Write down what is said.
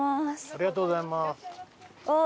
ありがとうございます。